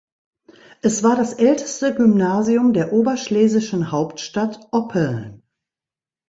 Es war das älteste Gymnasium der oberschlesischen Hauptstadt Oppeln.